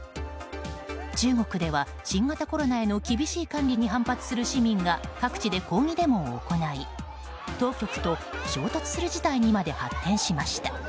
中国では、新型コロナへの厳しい管理に反発する市民が各地で抗議デモを行い当局と衝突する事態にまで発展しました。